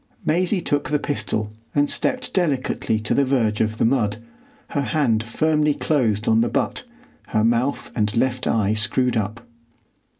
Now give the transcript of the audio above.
Maisie took the pistol and stepped delicately to the verge of the mud, her hand firmly closed on the butt, her mouth and left eye screwed up.